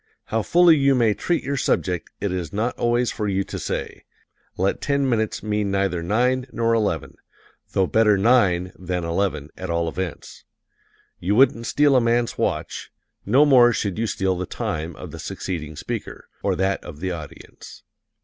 How fully you may treat your subject it is not always for you to say. Let ten minutes mean neither nine nor eleven though better nine than eleven, at all events. You wouldn't steal a man's watch; no more should you steal the time of the succeeding speaker, or that of the audience.